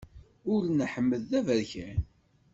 Ul n Ḥmed d aberkan.